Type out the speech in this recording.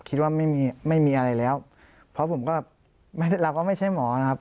คิดว่าไม่มีไม่มีอะไรแล้วเพราะผมก็ไม่เราก็ไม่ใช่หมอนะครับ